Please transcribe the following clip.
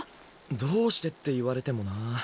どうしてって言われてもなぁ。